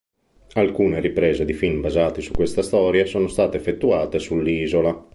Alcune riprese di film basati su questa storia sono state effettuate sull'isola.